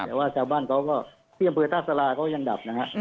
แต่ว่าชาวบ้านเขาก็พริกพืชท่าสราก็ยังดับนะ